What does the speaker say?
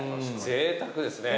ぜいたくですね。